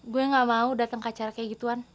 gue gak mau datang ke acara kayak gituan